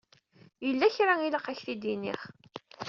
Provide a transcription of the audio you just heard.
Yella kra i ilaq ad k-d-iniɣ.